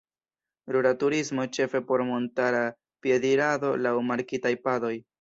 Rura turismo ĉefe por montara piedirado laŭ markitaj padoj.